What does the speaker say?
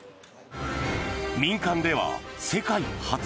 民間では世界初。